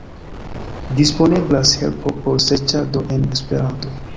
Disponeblas helpo por serĉado en Esperanto.